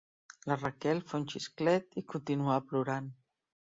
La Raquel fa un xisclet i continua plorant.